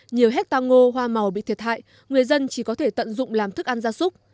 nhiều hecta ngô hoa màu bị thiệt hại người dân chỉ có thể tận dụng làm thức ăn gia súc